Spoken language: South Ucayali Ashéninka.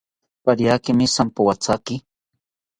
Pariakimi jampoathaki